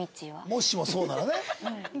もしもそうならね。